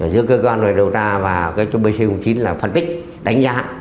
giữa cơ quan đối đầu ra và cho bc chín là phân tích đánh giá